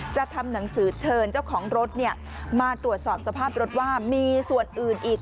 ทำหนังสือเชิญเจ้าของรถมาตรวจสอบสภาพรถว่ามีส่วนอื่นอีก